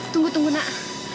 tunggu tunggu nah